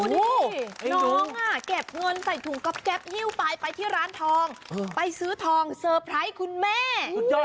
นี่น้องเก็บเงินใส่ถุงก๊อบแป๊บหิ้วไปไปที่ร้านทองไปซื้อทองเซอร์ไพรส์คุณแม่สุดยอด